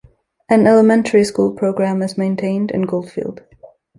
An elementary school program is maintained in Goldfield.